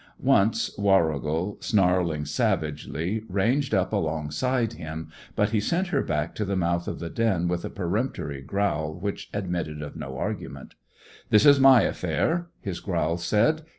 Once, Warrigal, snarling savagely, ranged up alongside him, but he sent her back to the mouth of the den with a peremptory growl which admitted of no argument. "This is my affair," his growl said.